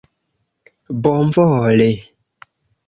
bonvole